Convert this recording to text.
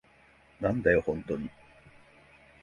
なんだよ、ホントに。